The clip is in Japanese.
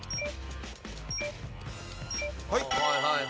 はい。